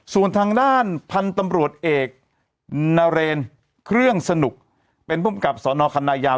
ส่วนทางด้านพันธรรมรวตเอกนเรนเครื่องสนุกเป็นพุ่มกับสอนคณยาว